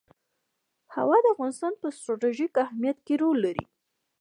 هوا د افغانستان په ستراتیژیک اهمیت کې رول لري.